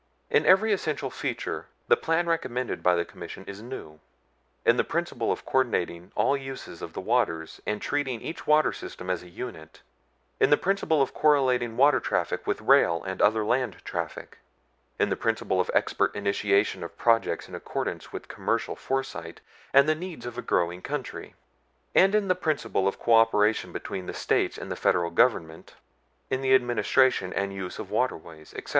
In every essential feature the plan recommended by the Commission is new. In the principle of coordinating all uses of the waters and treating each waterway system as a unit; in the principle of correlating water traffic with rail and other land traffic; in the principle of expert initiation of projects in accordance with commercial foresight and the needs of a growing country; and in the principle of cooperation between the States and the Federal Government in the administration and use of waterways, etc.